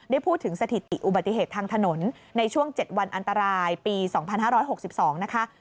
ได้พูดถึงสถิติอุบัติเหตุทางถนนในช่วง๗วันอันตรายปี๒๕๖๒นะคะ